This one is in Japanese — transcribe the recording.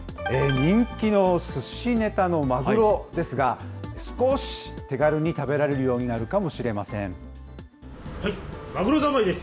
人気のすしネタのマグロですが、少し手軽に食べられるようになるかもしれません。